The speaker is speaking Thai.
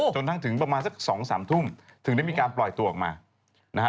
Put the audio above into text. กระทั่งถึงประมาณสัก๒๓ทุ่มถึงได้มีการปล่อยตัวออกมานะฮะ